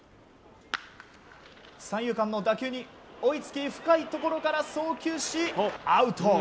三遊間の打球に追いつき深いところから送球し、アウト。